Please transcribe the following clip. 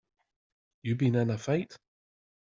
You been in a fight?